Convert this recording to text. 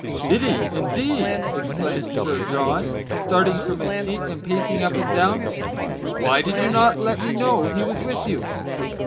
" Did he, indeed !" exclaimed Sir, John, starting from his seat, and pacing up and down ;" why did you not let me know he was with you